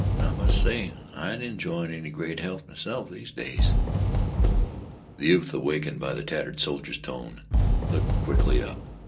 An' I must say I ain't enjoying any great health m'self these days." The youth, awakened by the tattered soldier's tone, looked quickly up.